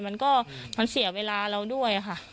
มันก็มันเสียเวลาเราด้วยค่ะ